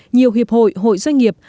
nhiều hiệp hội hội doanh nghiệp